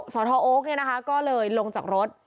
สทโอ๊คก็เลยลงจากรถ